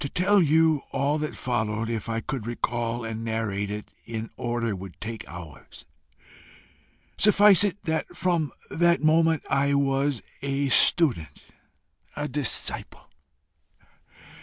"To tell you all that followed, if I could recall and narrate it in order, would take hours. Suffice it that from that moment I was a student, a disciple.